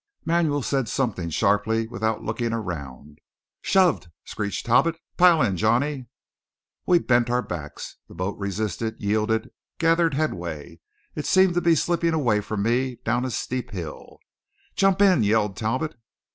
Manuel said something sharply, without looking around. "Shove!" screeched Talbot. "Pile in, Johnny!" We bent our backs. The boat resisted, yielded, gathered headway. It seemed to be slipping away from me down a steep hill. "Jump in!" yelled Talbot.